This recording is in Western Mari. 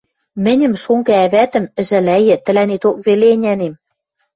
Мӹньӹм, шонгы ӓвӓтӹм, ӹжӓлӓйӹ, тӹлӓнеток веле ӹнянем.